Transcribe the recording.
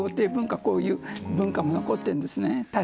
こういう文化も残っているんですね。